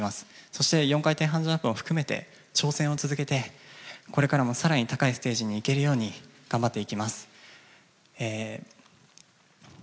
そして４回転半ジャンプを含めて挑戦を続けて、これからも更に高いステージに行けるように頑張っていきます。